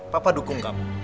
papa dukung kamu